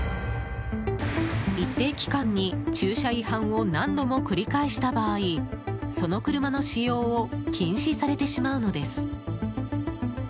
一定期間に駐車違反を何度も繰り返した場合その車の使用を禁止されてしまうのです。